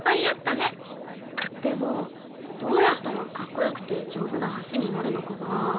でもどうやったらかっこよくて丈夫な橋になるのかな？